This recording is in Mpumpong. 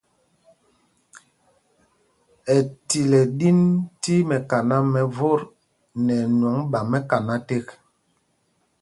Ɛtil ɛ ɗin tí mɛkaná mɛ vot nɛ ɛnwɔŋ ɓa mɛkaná tēk.